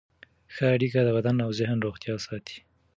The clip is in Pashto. ښه اړیکې د بدن او ذهن روغتیا ساتي.